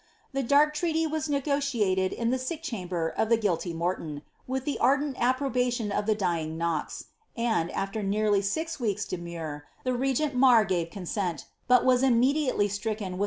The dark treaty was negotiated in the sick chamber of the guilty Morton, with the ardent approbation of the dying Knox ; and, after nearly six weeks' demur, the regent Marr gave consent, but was immediately stricken with 'IIi«ii»ry of Scotland, vol.